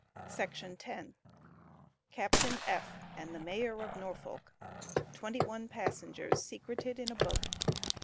CAPTAIN F. AND THE MAYOR OF NORFOLK. TWENTY ONE PASSENGERS SECRETED IN A BOAT.